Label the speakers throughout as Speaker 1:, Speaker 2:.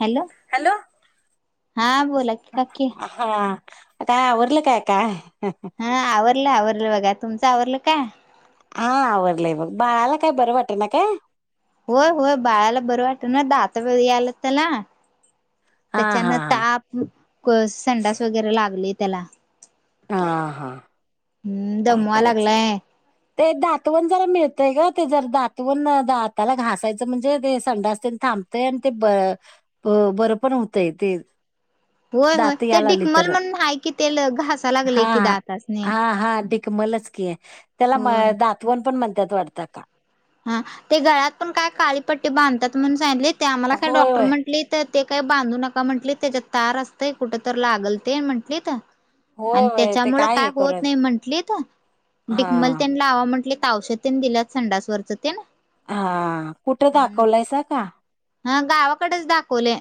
Speaker 1: Hello हा बोला की काकी.
Speaker 2: हा आता आवरलं का काय?
Speaker 1: हा आवरलं आवरलं बघा. तुमचं आवरलं काय?
Speaker 2: हा आवरलंय बघ. बाळाला काय बरं वाटणा काय?
Speaker 1: होय होय बाळाला बरं वाटना दात याल्यात त्याला.
Speaker 2: हा हा
Speaker 1: त्याच्यान ताप, संडास वगैरे लागलय त्याला.
Speaker 2: हा हा
Speaker 1: हम्म
Speaker 2: काय
Speaker 1: दमवा
Speaker 2: करायचं.
Speaker 1: लागलाय
Speaker 2: ते दातवण जरा मिळतय ग ते जर दातवन दाताला घासायचं म्हणजे ते संडासतेन थांब तय आणि ते ब बरं पण होतय ते.
Speaker 1: होय होय
Speaker 2: दात
Speaker 1: ते
Speaker 2: याय लागली
Speaker 1: डिकमल
Speaker 2: तर
Speaker 1: म्हनुन हाय की ते घास
Speaker 2: हा हा हा हा डीकमलच की त्याला
Speaker 1: होय
Speaker 2: दातवण पण म्हणत्यात वाढत आक्का..
Speaker 1: हा ते गळ्यात पण काय काळीपट्टी बांधतात म्हणून सांगितलीत, ते आम्हाला खर
Speaker 2: होय
Speaker 1: डॉक्टर
Speaker 2: होय
Speaker 1: म्हटली त ते काही बांधू नका म्हंटलीत, त्याच्यात तार असतंय कुठ तर लागल ते म्हंटलीत
Speaker 2: होय
Speaker 1: आणि
Speaker 2: होय ते
Speaker 1: त्याच्यामुळ काय
Speaker 2: हे
Speaker 1: होत
Speaker 2: करत
Speaker 1: नाही म्हंटलीत
Speaker 2: हा
Speaker 1: डिकमल तेन लावा म्हंटलीत औषध तेन दिल्यात संडासवरचं तेन
Speaker 2: हा कुठं दाखवलायसा कां.
Speaker 1: हा गावाकडेच दाखवलय.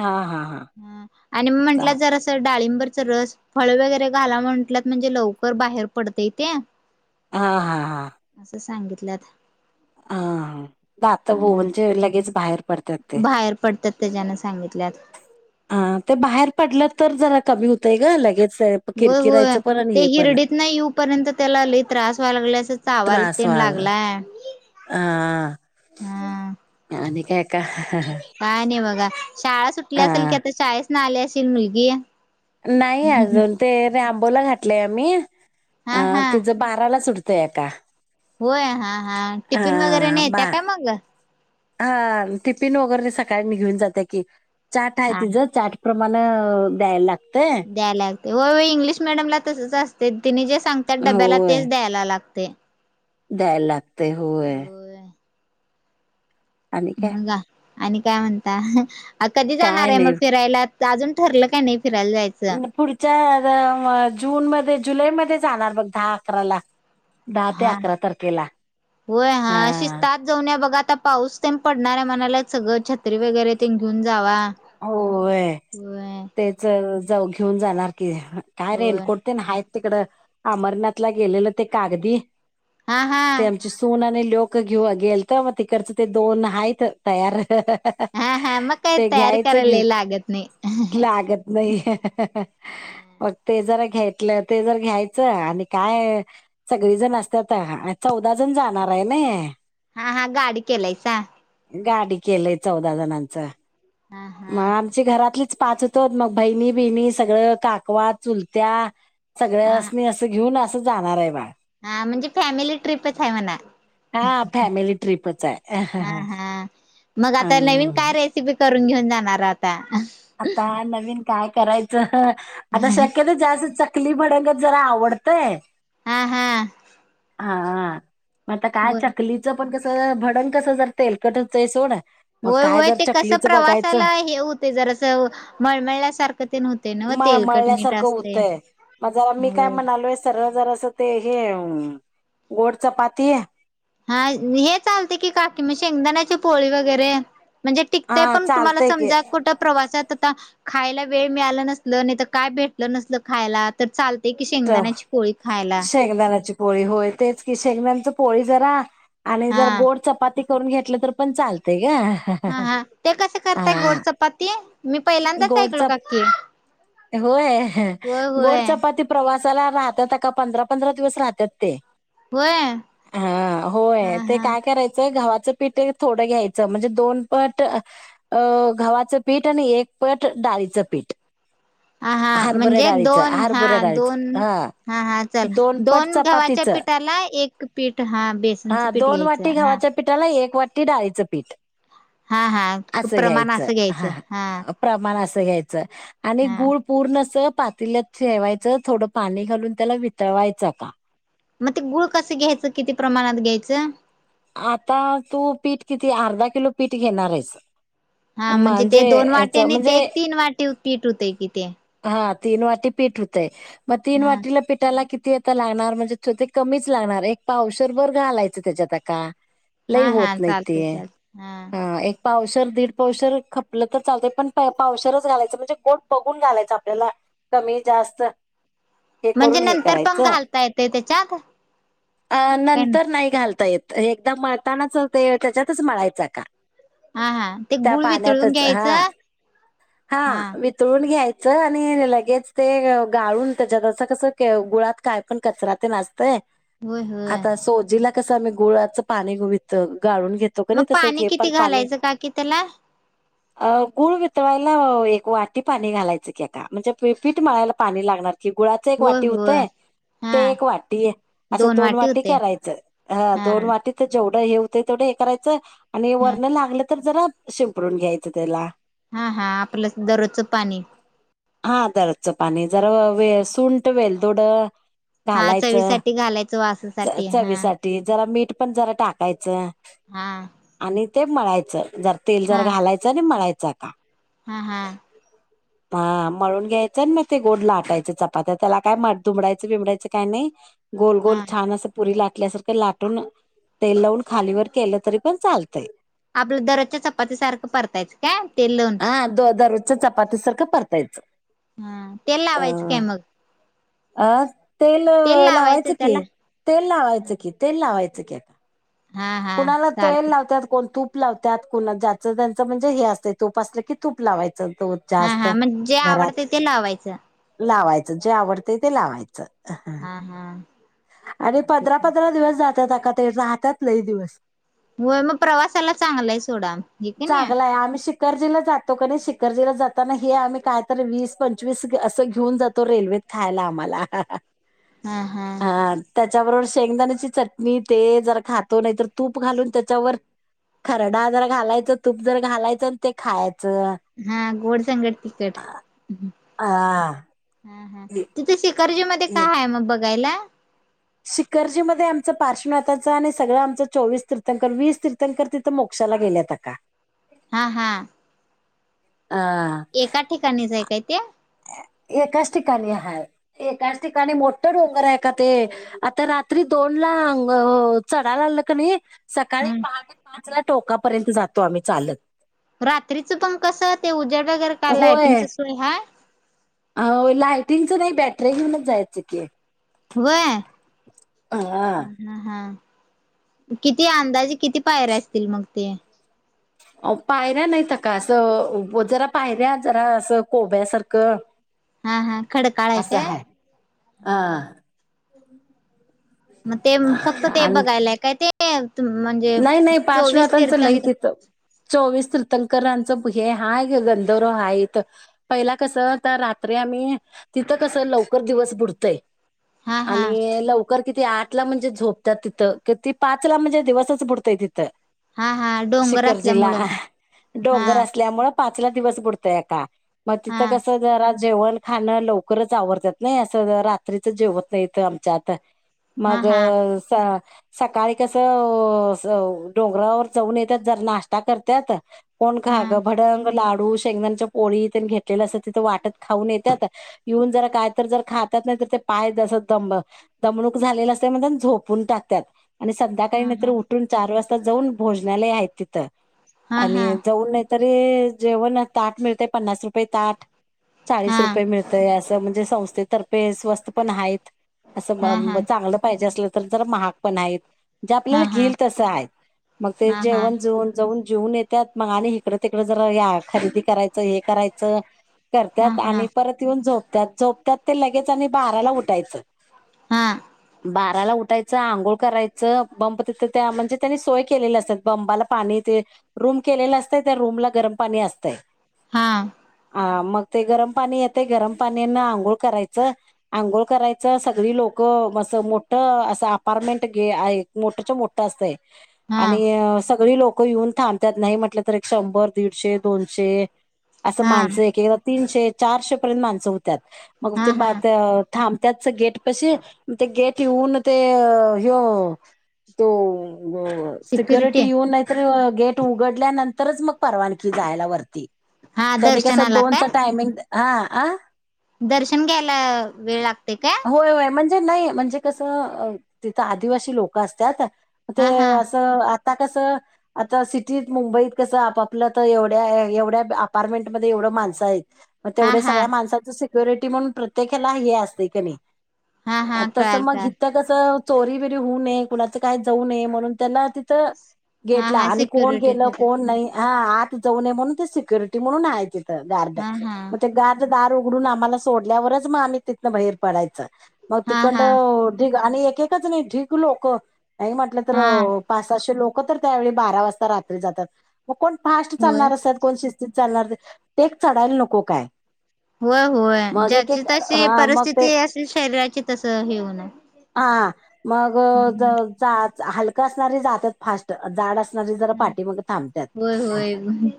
Speaker 2: हा हा
Speaker 1: हा आणि मग म्हटलं
Speaker 2: चाल
Speaker 1: जरा स डाळिंबरचा रस, फळ वगैरे घाला म्हंटल्यात म्हणजे लवकर बाहेर पडतय ते.
Speaker 2: हा हा हा
Speaker 1: [unintelligible]
Speaker 2: हा दात म्हणजेच लगेच बाहेर पडतात ते
Speaker 1: बाहेर पडतात त्याच्याने सांगितल्यात.
Speaker 2: हा ते बाहेर पडलं तर जरा कमी होतय ग लगेच
Speaker 1: होय होय
Speaker 2: किरकिरायचं पण आणि
Speaker 1: ते
Speaker 2: हे पण
Speaker 1: हिरडीतन येऊपर्यंत त्याला लय त्रास व्हाय लागलाय अस
Speaker 2: त्रास
Speaker 1: चावायला
Speaker 2: व्हायला
Speaker 1: लागलाय. हा
Speaker 2: [unintelligible]
Speaker 1: काय नाही बघा शाळा सुटली असेल
Speaker 2: हा
Speaker 1: की आता शाळेसन आली असेल मुलगी?
Speaker 2: नाही अजून ते रेम्बोला घातलय आम्ही अ
Speaker 1: हा हा
Speaker 2: तिच बाराला सुटत त्याका
Speaker 1: होय हा हा टिफिन वगैरे
Speaker 2: बा
Speaker 1: नेत्या काय मग?
Speaker 2: हा टिफिन वगैरे सकाळी नि घेऊन जात्या की चार्ट आहे
Speaker 1: हा
Speaker 2: तिझं चार्ट प्रमाण द्यायला लागत
Speaker 1: द्यायला लागते होय होय इंग्लिश मिीडियमला तसच असतय तेनी जे सांगतात डब्याला तेच द्यायला लागतय.
Speaker 2: द्याय लागतय होय. आणि काय
Speaker 1: म गा आणि काय म्हणता कधी जाणार
Speaker 2: काय
Speaker 1: आहे
Speaker 2: नाही.
Speaker 1: मग फिरायला? अजून ठरलं काय नाही. फिरायला जायचं
Speaker 2: पुढच्या जूनमध्ये जुलैमध्ये जाणार बघ दहा अकरा ला. दहा ते
Speaker 1: हा होय हा अशीतात जाऊन बघा. आता पाऊस ते पडणार आहे म्हणाला सगळं छत्री वगैरे ते घेऊन जावा.
Speaker 2: होय
Speaker 1: होय
Speaker 2: तेच जावू घेऊन जानारं. काय
Speaker 1: होय
Speaker 2: रेनकोट नाहीत तिकडं अमरनाथला गेलेलं ते कागदी
Speaker 1: हा हा
Speaker 2: ते आमची सुन ने लोकं घेऊ गेल तर मग तिकडच ते दोन आहेत तयार.
Speaker 1: हा, हा मग काय
Speaker 2: ते
Speaker 1: तयारी
Speaker 2: घ्यायचं घेऊ
Speaker 1: करायला लागत नाही.
Speaker 2: लागत नाही मग ते जर घेतलं ते जर घ्यायचं आणि काय सगळी जणं असतात चौदा जण जाणार आहे ना.
Speaker 1: हा, हा गाडी केलायसा.
Speaker 2: गाडी केलंय चौदा जणांच.
Speaker 1: हा
Speaker 2: मग
Speaker 1: हा
Speaker 2: आमची घरातलीच पाच होतो मग बहिणी, बहिणी सगळं काकवा, चुलत्या,
Speaker 1: हा
Speaker 2: सगळ्यासनी असं घेऊन असं जाणार आहे बाळ
Speaker 1: हा म्हणजे फॅमिली ट्रिपच आहे म्हणा.
Speaker 2: हा फॅमिली ट्रिपच आहे
Speaker 1: हा, हा मग
Speaker 2: अ
Speaker 1: आता नवीन काय रेसिपी कर कुटून घेऊन जाणार आता.
Speaker 2: आता नवीन काय करायचं आता शक्यत जास्त चकली भडंगत जरा आवडतय
Speaker 1: हा, हा.
Speaker 2: हा मग आता काय चकलीच पण कस भडण कसं जर तेलकटच आहे सोड मग
Speaker 1: होय
Speaker 2: काय
Speaker 1: होय
Speaker 2: जर
Speaker 1: ते कस
Speaker 2: चकलीचं बघायचं
Speaker 1: प्रवासाला हे होते जर अस मळमळल्यासारखं ते होते ना
Speaker 2: मळ
Speaker 1: तेलकट मीठ
Speaker 2: मळल्यासारखं
Speaker 1: असते.
Speaker 2: होतंय माझ्याला मी काय
Speaker 1: होय
Speaker 2: म्हणालोय सरळ जरास ते हे गोड चपाती आहे.
Speaker 1: हा हे चालते की काकी मग शेंगदाण्याची पोळी वगैरे म्हणजे टिकत
Speaker 2: हा
Speaker 1: पण तुम्हाला
Speaker 2: चालतय की
Speaker 1: समजा कुठं प्रवासात आता खायला वेळ मिळाला नसल नाही तर काय भेटलं नसल खायला तर चाल
Speaker 2: त शेंगदाण्याची पोळी होय तेच की शेगदाण्याची पोळी जरा आणि जर
Speaker 1: हा
Speaker 2: गोड चपाती करून घेतलं तर पण चालतय. ग
Speaker 1: हा, हा ते कसे करताय
Speaker 2: हा
Speaker 1: गोड चपाती मी पहिल्यांदाच
Speaker 2: गोड
Speaker 1: ऐकलो
Speaker 2: चप
Speaker 1: काकी?
Speaker 2: होय
Speaker 1: होय
Speaker 2: गोड
Speaker 1: होय
Speaker 2: चपाती प्रवास चला आता तर काय पंधरा, पंधरा दिवस राहतात ते.
Speaker 1: होय
Speaker 2: हा होय
Speaker 1: हा
Speaker 2: ते
Speaker 1: हा
Speaker 2: काय करायचंय गव्हात पीठ थोड घ्यायच म्हणजे दोन पट गव्हाच पीठ आणि एक पट डाळीचं पीठ
Speaker 1: हा हा
Speaker 2: हरभरा
Speaker 1: म्हणजे
Speaker 2: डाळीचं,
Speaker 1: दोन हा
Speaker 2: हरभरा डाळीचं
Speaker 1: दोन
Speaker 2: हां.
Speaker 1: हा, हा चल
Speaker 2: पट
Speaker 1: दोन गव्हाच्या
Speaker 2: चपातीचं
Speaker 1: पीठाला एक पीठ हा बेसनचं पीठ घ्यायचं हा
Speaker 2: पीठाला एक वाटी डाळीचं पीठ
Speaker 1: हा हा
Speaker 2: अस
Speaker 1: प्रमाण
Speaker 2: घ्यायचं
Speaker 1: असं घ्यायचं
Speaker 2: हा प्रमाण अस घ्यायचं आणि
Speaker 1: हा
Speaker 2: गूळ पूर्ण अस पातीलात ठेवायचं थोडं पाणी घालून त्याला वितळवायचं का?
Speaker 1: मग ते गुळ कसं घ्यायचं किती प्रमाणात घ्यायचं?
Speaker 2: आता तू पीठ किती अर्धा किलो पीठ घेणार आहेस?
Speaker 1: हा म्हणजे ते दोन वाटी
Speaker 2: ह्याचं
Speaker 1: आणि ते
Speaker 2: म्हणजे
Speaker 1: एक तीन वाटी पीठ होते कि ते.
Speaker 2: हा तीन वाटी पीठ होतयं मग तीन
Speaker 1: हा
Speaker 2: वाटीला पीठाला की ते आता लागणार म्हणजे छोटे कमीच लागणार एक पावशेर बर घालायचं त्याच्यात का लई
Speaker 1: हा हा
Speaker 2: होत नाही
Speaker 1: चालते
Speaker 2: ते
Speaker 1: चालते
Speaker 2: हा एक पावशेर दीड पावशेर खपलं तर चालतंय पण पावशेरच घालायचं म्हणजे गोड बघून घालायचं. आपल्याला कमी जास्त हे
Speaker 1: म्हणजे
Speaker 2: करून हे
Speaker 1: नंतर पण
Speaker 2: करायचं
Speaker 1: घालता येतय त्याच्यात
Speaker 2: अ
Speaker 1: काय
Speaker 2: नंतर नाही घालता येत एकदा मळतानाच ते त्याच्यातच मळायच का?
Speaker 1: हा हा ते
Speaker 2: त्या
Speaker 1: गुळ वितळून
Speaker 2: पाण्यातच हा
Speaker 1: घ्यायचं
Speaker 2: हा वितळून. घ्यायच आणि लगेच ते गाळून त्याच्यातस कस गुळात काय पण कचरा ते असत. य
Speaker 1: होय होय
Speaker 2: आता सोजीला कसं गुळाचं पाणी गवितत गाळून घेतो का
Speaker 1: मग
Speaker 2: नाही तस
Speaker 1: पाणी
Speaker 2: हे पण
Speaker 1: किती
Speaker 2: पाणी,
Speaker 1: घालायचं काकी त्याला
Speaker 2: अ गुळ वितळायला एक वाटी पाणी घालायचं कि आता, म्हणजे पीठ मळायला पाणी लागणार कि गुळाच एक
Speaker 1: होय
Speaker 2: वाटी
Speaker 1: होय
Speaker 2: होतय ते
Speaker 1: हा
Speaker 2: एक वाटी, असं दोन वाटी करायचं हा दोन वाटी त जेवढ हे होतं तेवढं हे करायचं आणि
Speaker 1: हा
Speaker 2: वरण लागलं तर जरा शिंपडून घ्यायचं त्याला
Speaker 1: हा हा आपलं दररोजचं पाणी
Speaker 2: हा दरोजचं पाणी जरा सुंट, वेलदोड
Speaker 1: हा चवी
Speaker 2: घालायचं.
Speaker 1: साठी घालायच
Speaker 2: च चवीसाठी जरा मीठ पण जरा टाकायचं
Speaker 1: हा.
Speaker 2: आणि ते मळायचं जर तेल जर घालायचं आणि मळायच आता
Speaker 1: हम्म हम्म.
Speaker 2: हा मळून घ्यायचं मग ते गोड लाटायच चपात्या त्याला काय दुमडायचं बिमडायचं काय नाही. गोल गोल
Speaker 1: हा
Speaker 2: छान असं पुरी लाट ल्यासारख लाटून तेल लावून खालीवर केलं तरी पण चालतय.
Speaker 1: आपलं दररोजच्या चपाती सारखं परतायच काय ते?
Speaker 2: हा द दररोजच्या चपती सारख परतायच.
Speaker 1: हा, तेल लावायचं काय मग?
Speaker 2: अ तेल लावायचं कि तेल लावायचं कि तेल लावायचं कि आता
Speaker 1: हा हा
Speaker 2: कुणाला तेल
Speaker 1: चालते
Speaker 2: लावत्यात कोण तूप तूप लावत्यात कुणा ज्याचं त्यांच म्हणजे हे असतय तूप असलं की तूप लावायच. तूप
Speaker 1: हा
Speaker 2: जास्त
Speaker 1: हा म्हणजे जे
Speaker 2: घरात
Speaker 1: आवडते ते लावायचं
Speaker 2: लावायच जे आवडतेय ते लावायचं
Speaker 1: हा हा
Speaker 2: आणि पंधरा
Speaker 1: चालते
Speaker 2: पंधरा दिवस जात [unintelligible] राहत्यात लई दिवस
Speaker 1: व्हय, मग प्रवासाला चांगलं आहे सोडा हे कणी?
Speaker 2: शिकर्जीला जातो कनी, शिकर्जीला जाताना हे आम्ही काय तर वीस पंचवीस असं घेऊन जातो रेल्वेत खायला आम्हाला हा हा हा त्याच्याबरोबर शेंगदाण्याची चटणी तेल जर खातो नाही तर तूप घालून त्याच्यावर खरडा जर घालायचं, तूप जर घालायचं, ते खायच
Speaker 1: हा गोड संग तिकट
Speaker 2: हा.
Speaker 1: तिथे शिकर्जी मध्ये काय आहे मग बघायला?
Speaker 2: शिकर्जी मध्ये आमचं पार्श्वनाथाचं आणि सगळं आमचं चोवीस कीर्तनकर वीस कीर्तनकर तिथं मोक्ष क्षाला गेल्यात का?
Speaker 1: हा हा.
Speaker 2: अ
Speaker 1: एका ठिकाणीच हाय काय ते?
Speaker 2: एकाच ठिकाणी हाय एकाच ठिकाणी मोठं डोंगर आहे का ते आता रात्री दोन दोनला अंग चढायला लागलं कनी [unintelligible] सकाळी
Speaker 1: हम्
Speaker 2: पहाटे पाचला टोकापर्यंत जातो आम्ही चालत
Speaker 1: रात्रीचं पण कस ते उजडं वगैरे काय
Speaker 2: होय
Speaker 1: लायटिंगच सोय हाय?
Speaker 2: अ लायटिंगच नाही बॅटरे घेऊनच जायचं की
Speaker 1: होय हा हा हा. किती अंदाजे किती पायरे असतील मग ते?
Speaker 2: आवो पायऱ्या नाहीता का असं जरा पायऱ्या जरा असं कोब्यासारखं
Speaker 1: हा हा खडकाळ आहे
Speaker 2: आस
Speaker 1: काय
Speaker 2: हाय आं.
Speaker 1: मग ते फक्त ते
Speaker 2: आणि
Speaker 1: बघायलाय काय ते म्हणजे
Speaker 2: नाही नाही पार्श्व
Speaker 1: चोवीस
Speaker 2: नाथांचं लय
Speaker 1: तीर्थंकर
Speaker 2: तिथं चोवीस ति तकरांचं हे हाय गंधर्व हाय इथं पहिला कसं तर रात्री आम्ही तिथं कसं लवकर दिवस बुडतंय.
Speaker 1: हा हा
Speaker 2: आणि लवकर किती आठला म्हणजे झोपत्यात तिथं कि ती पाच ला म्हणजे दिवस बुडतय तिथं
Speaker 1: हा हा डोंगर
Speaker 2: शिखरजीला
Speaker 1: असल्यामुळं
Speaker 2: डोंगर
Speaker 1: हा
Speaker 2: असल्यामुळं पा चला दिवस बुडतय अक्का म
Speaker 1: हा
Speaker 2: तिथं कसं जरा जेवणं खाणं लवकरच आवरत्यात नाही असं रात्रीच जेवत नाहीत आमच्यात.
Speaker 1: हा
Speaker 2: मग
Speaker 1: हा
Speaker 2: अं स सकाळी कसं अ स डोंगरावर जाऊन येत्यात जर नाश्ता करत्यात. कोण
Speaker 1: हा
Speaker 2: खा ग भडंग, लाडू, गुळ शेंगदाण्या च्या पोळी ते न घेतलेल्या असत्यात तिथं वाटत खाऊन येत्यात युन जरा काय तर जर खात्यात पाय जसं दम दमणूक झालेलं असतय म्हणत्यात झोपून टाकत्यात. आणि संध्याकाळी
Speaker 1: हा
Speaker 2: नाहीतर
Speaker 1: हा
Speaker 2: उठून चार वाजता जाऊन भोजनालय आहेत तिथं
Speaker 1: हा हा हा
Speaker 2: आणि जाऊन तरी जेवण ताट मिळते पन्नास रुपये ताट. चाळीस
Speaker 1: हा
Speaker 2: रुपये मिळतय, असं म्हणजे संस्थेतर्फे स्वस्त पण हाईत. असं
Speaker 1: हा हा हा
Speaker 2: म चांगलं पाहिजे आसलं तर महाग पण आहेत जे आपल्याला
Speaker 1: हा हा हा
Speaker 2: घिल तसं हाय मग ते
Speaker 1: हा हा
Speaker 2: जेवण जऊन जाऊन जेवून येत्यात मग आणि इकडं तिकडं जरा या खरेदी कराय चं हे करायच
Speaker 1: हा
Speaker 2: करत्यात आणि परत येऊन झोपत्यात. झोपत्यात ते लगेच आणि बाराला उठायचं. बाराला उठायच आंघोळ करायचं बंब तिथ त्या म्हणजे त्यांनी सोय केलेली असत्या बंबाला पाणी ते रूम केलेली असतय त्या रूम ला गरम पाणी आ सतय.
Speaker 1: हा.
Speaker 2: ह मग ते गरम पाणी येते गरम पाण्यान आंघोळ करायचं आंघोळ करायचं सगळी लोक म मोठ असं अपार्टमेंट गे आहे मोठ च्या मोठ असतय
Speaker 1: हा
Speaker 2: आणि सगळी लोक येऊन थांबत्यात. नाही म्हटलं तर एक शंभर, दीडशे, दोनशे असं
Speaker 1: हा
Speaker 2: माणसं एक एकदा तीनशे चारशे पर्यंत माणसं होत्याात मग ते
Speaker 1: हा
Speaker 2: ब
Speaker 1: हा
Speaker 2: थां त्याच गेट पशी. ते गेट येऊन ते ह्यो तो हो सिक्युरिटी येऊन नाहीतरी गेट उघडल्यानंतरच मग परवानगी जायला वरती
Speaker 1: हा
Speaker 2: तेनी कसं
Speaker 1: दर्शनाला
Speaker 2: दोनच
Speaker 1: काय
Speaker 2: टायमिंग हं हा.
Speaker 1: दर्शन घ्यायला वेळ लागतय काय?
Speaker 2: म्हणे नाही म्हणजे कसं तिथ आदिवासी लोकं असत्यात
Speaker 1: हा
Speaker 2: ते
Speaker 1: हा
Speaker 2: असं आता कसं आता सिटीत मुंबईत कसं आपापलं तर एवढ्या एवढ्या अपार्टमेंटमध्ये एवढं माणसं हाईत म
Speaker 1: हा
Speaker 2: तेवढ्या
Speaker 1: हा
Speaker 2: सगळ्या माणसा च स्युरिटी म्हणून प्रत्येक हे ला हे असतेय कीनी.
Speaker 1: हा हा
Speaker 2: तसं
Speaker 1: कळाल
Speaker 2: मग
Speaker 1: कळाल
Speaker 2: इथं कसं चोरी बिरी होऊ नये. कुणाचं काय जाऊ नये म्हणून त्याना तिथं
Speaker 1: हा
Speaker 2: गेटला
Speaker 1: हा
Speaker 2: आणि कोण
Speaker 1: सिक्युरिटी
Speaker 2: गेलं
Speaker 1: ठेवतात
Speaker 2: कोण नाही हा आत जाऊ नये म्हणून ते सिक्युरिटी म्हणून आहे तिथ गार्ड,
Speaker 1: हा हा
Speaker 2: मग ते गार्ड दार उघडून आम्हाला सोडल्यावरच म आम्ही तिथनं बाहेर पडायच मग
Speaker 1: हा हा
Speaker 2: तिकडं अं आणि एक एकच नाही ढी क लोकं नाही म्हटलं तर
Speaker 1: हा
Speaker 2: अं पा साशे लोकं लोकं तर त्या वेळी बारा वाजता रात्री जात्यात, मग कोण फास्ट
Speaker 1: होय
Speaker 2: चालणार आस्त्यात कोण शिस तीत चालणार टेक चढायला नको काय?
Speaker 1: होय होय
Speaker 2: मग एक
Speaker 1: ज्याची
Speaker 2: एक
Speaker 1: तशी
Speaker 2: हा मग ते
Speaker 1: परिस्थिती असेल शरीराची तस हे हूनार.
Speaker 2: मग चा हलका असणारे जात्यात फास्ट जाड आ सणारी जरा पाठीमाग थांबत्यात.
Speaker 1: होय होय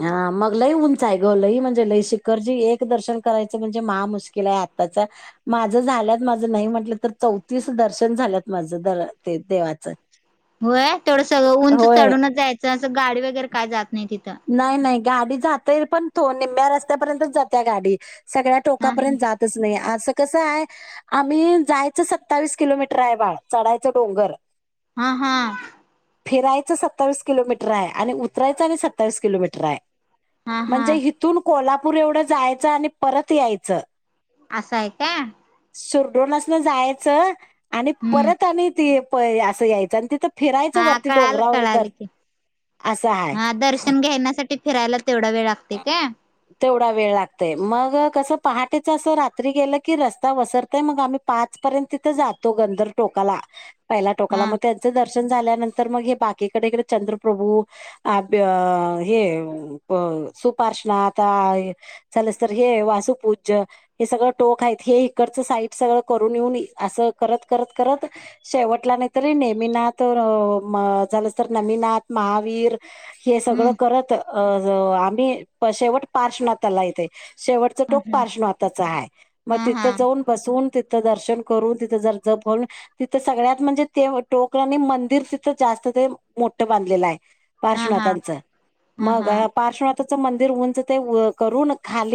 Speaker 2: हा मग लई उंच हाय ग लई म्हणजे लई शिखरजी एक दर्शन करायचं म्हणजे महा मुश्किल हाय आताच माझं झाल्यात माझं नाही म्हटलं तर चौतीस दर्शन झाल्यात माझं ते देवाचं.
Speaker 1: होय तेवढ सगळ उंच
Speaker 2: होय
Speaker 1: चढूनच जायचं असं गाडी वगैरे काय जात नाही तिथ.
Speaker 2: नाही नाही गाडी जातेय पण थोड निम्या रस्त्या पर्यंतच जाते गाडी. सगळ्या
Speaker 1: हा
Speaker 2: टोकापर्यंत जातच नाही अस कसं आहे आम्ही जायचं सत्तावीस किलोमीटर आहे बाळ चढायचं डोंगर
Speaker 1: हा हा.
Speaker 2: फिरायचं सत्तावीस किलोमीटर हाय आणि उतरायचं आणि सत्तावीस किलोमीटर हाय.
Speaker 1: हा हा
Speaker 2: म्हणजे हिथून कोल्हापूर एवढं जायचं आणि परत यायचं.
Speaker 1: असं आहे काय?
Speaker 2: सुरडोनासनं जायाचं आणि
Speaker 1: हम्म
Speaker 2: परत आणि ते प असं यायचं आणि तिथं फिरायचं
Speaker 1: हा
Speaker 2: वरती
Speaker 1: कळालं
Speaker 2: डोंगरावर
Speaker 1: कळालं
Speaker 2: तन असं हाय.
Speaker 1: शन घेण्यासाठी फिरायला तेवढा वेळ लागते काय?
Speaker 2: तेवढा वेळ लागतंय मग कसं पहाटेच असं रात्री गेलं की रस्ता वसरतंय मग आम्ही पाच पर्यंत तिथ जातो गंधर्व टोकाला, पहिल्या टोकाला
Speaker 1: हा
Speaker 2: मग त्यांच दर्श शन झाल्यानंतर मग हे बाकी कडेकडे चंद्रप्रभू, अ आपलं हे सुपार्श्वनाथ हाय चलीस तर हे वासुपूज्य, हे सगळं टोक हायत हे हिक च् साईट सगळं बघुन येऊन असं करत करत करत शेवटला नाही तरी नेमिनाथ म झालंच तर नेमिनाथ, महावीर हे सगळं
Speaker 1: हम्म
Speaker 2: करत अ आम् ही शेवट पार्श्वनाथाला येतंय. शेवटचं
Speaker 1: हा
Speaker 2: टोक
Speaker 1: हा
Speaker 2: पार्श्वनाथाचा हाय, मग
Speaker 1: हा
Speaker 2: तिथ
Speaker 1: हा
Speaker 2: जाऊन बसुन तिथं दर्शन करून तिथं जरा जपून तिथं सगळ्यात म्हणजे ते टोक आणि मंन तीर तिथं जास्त ते मोठं बांधलेलं आहे
Speaker 1: हा
Speaker 2: पार्श्वनाथांचं
Speaker 1: हा
Speaker 2: मग
Speaker 1: हा
Speaker 2: पार्श्व चं मंदिर उंच करून ते खाली